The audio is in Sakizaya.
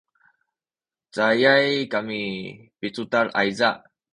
cayay kami picudad ayza